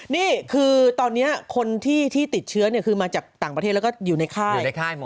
นี่คือตอนนี้คนที่ติดเชื้อคือมาจากต่างประเทศแล้วก็อยู่ในค่ายอยู่ในค่ายหมอ